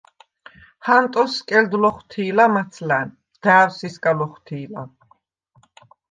ჰანტოს სკელდ ლოხვთი̄ლა მაცლა̈ნ. და̄̈ვსი̄ სგა ლოხვთი̄ლა.